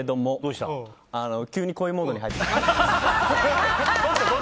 急にこういうモードに入って。